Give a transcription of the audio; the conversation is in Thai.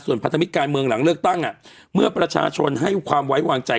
พันธมิตรการเมืองหลังเลือกตั้งเมื่อประชาชนให้ความไว้วางใจ